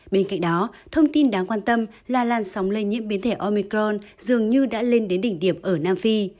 bên cạnh đó thông tin đáng quan tâm là làn sóng lên những biến thể omicron dường như đã lên đến đỉnh điểm ở nam phi